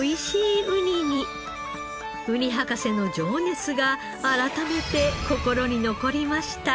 ウニ博士の情熱が改めて心に残りました。